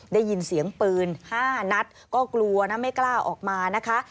ได้ยินเสียงปืน๕นัดก็กลัวนะไม่กล้าออกมานะคะ